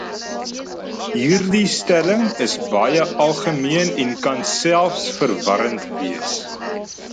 Hierdie stelling is baie algemeen en kan selfs verwarrend wees.